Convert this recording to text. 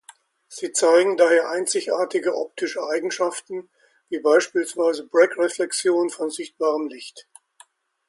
Sie zeigen daher einzigartige optische Eigenschaften, wie beispielsweise Bragg-Reflexion von sichtbarem Licht.